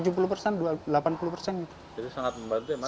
jadi sangat membantu ya mas